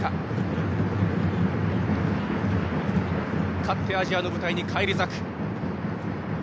勝ってアジアの舞台に返り咲く。